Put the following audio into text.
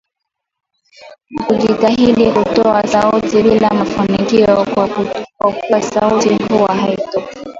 Kujitahidi kutoa sauti bila mafinikio kwa kuwa sauti huwa haitoki